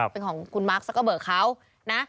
เป็นของคุณมาร์คสักเบอร์เขานะ